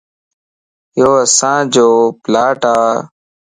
يو اسانجو پلاٽ ا